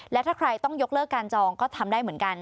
และถ้าใครต้องยกเลิกการจองก็ทำได้เหมือนกัน